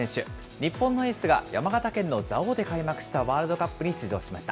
日本のエースが山形県の蔵王で開幕したワールドカップに出場しました。